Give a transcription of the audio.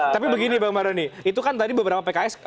tapi begini bang mardhani itu kan tadi beberapa pks